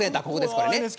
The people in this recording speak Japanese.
ここですからね。